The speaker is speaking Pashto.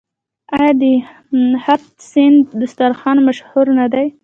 آیا د هفت سین دسترخان مشهور نه دی؟